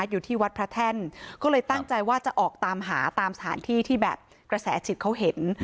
อยู่ที่วัดพระแท่นก็เลยตั้งใจว่าจะออกตามหาตามสถานที่ที่แบบกระแสจิตเขาเห็น